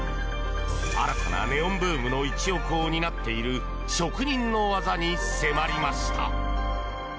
新たなネオンブームの一翼を担っている職人の技に迫りました。